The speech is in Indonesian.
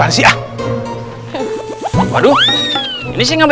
apaan itu pak sergiti